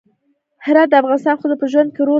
هرات د افغان ښځو په ژوند کې رول لري.